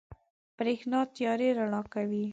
برېښنا تيارې رڼا کوي.